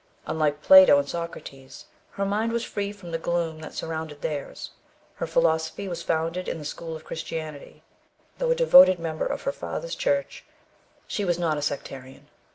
Unlike Plato and Socrates, her mind was free from the gloom that surrounded theirs; her philosophy was founded in the school of Christianity; though a devoted member of her father's church, she was not a sectarian.